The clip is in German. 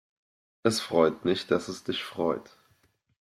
Es freut mich, dass es dich freut.